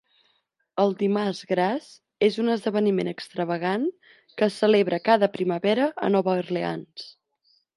El Dimarts Gras és un esdeveniment extravagant que es celebra cada primavera a Nova Orleans.